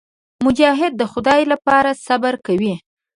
مجاهد د خدای لپاره صبر کوي.